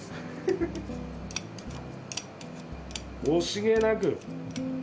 惜しげなく。